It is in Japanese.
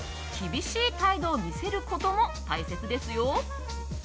厳しい態度を見せることも大切ですよ。